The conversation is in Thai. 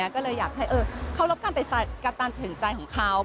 ก็เลยอยากให้เคารพการตัดสินใจของเขา